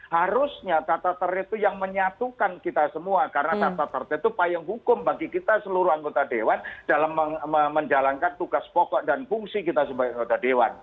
harusnya tata tertib itu yang menyatukan kita semua karena tata tertib itu payung hukum bagi kita seluruh anggota dewan dalam menjalankan tugas pokok dan fungsi kita sebagai anggota dewan